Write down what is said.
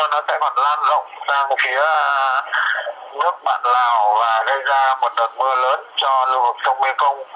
nó sẽ còn lan rộng sang một phía nước bản lào và gây ra một đợt mưa lớn cho lưu vực sông mekong